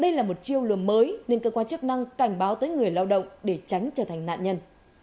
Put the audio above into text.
đây là một chiêu lừa mới nên cơ quan chức năng cảnh báo tới người lao động để tránh trở thành nạn nhân